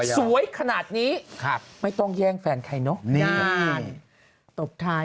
สวยขนาดนี้ไม่ต้องแย่งแฟนใครเนอะ